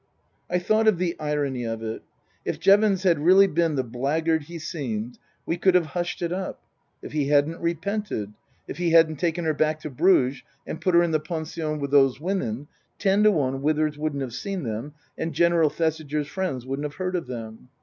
I thought of the irony of it. If Jevons had really been the blackguard he seemed we could have hushed it up. If he hadn't repented, if he hadn't taken her back to Bruges and put her in the pension with those women, ten to one Withers wouldn't have seen them and General Thesiger's friends wouldn't have heard of them.